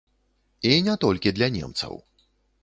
І не толькі для немцаў.